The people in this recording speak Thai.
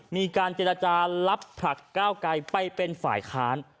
มีการเจรจารับผลักก้าวไกลไปเป็นฝ่ายค้าน